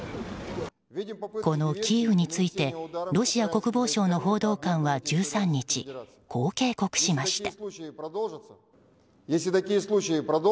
このキーウについてロシア国防省の報道官は１３日こう警告しました。